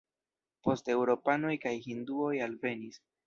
Poste eŭropanoj kaj hinduoj alvenis.